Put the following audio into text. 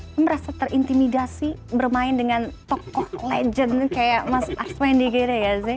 lo merasa terintimidasi bermain dengan tokoh legend kayak mas aswendy gini ya sih